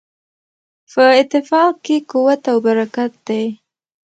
په اتفاق کې قوت او برکت دی.